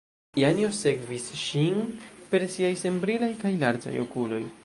Janjo sekvis ŝin per siaj senbrilaj kaj larĝaj okuloj.